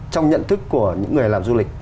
trong nhận thức của những người làm du lịch